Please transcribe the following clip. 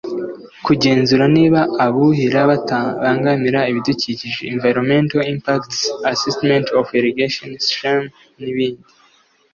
Kugenzura niba abuhira batabangamira ibidukikije (Environmental impacts assessment of irrigation schemes) n’ibindi